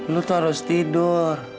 lu terus tidur